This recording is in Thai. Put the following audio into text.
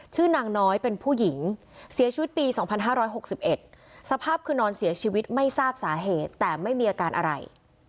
นางน้อยเป็นผู้หญิงเสียชีวิตปี๒๕๖๑สภาพคือนอนเสียชีวิตไม่ทราบสาเหตุแต่ไม่มีอาการอะไร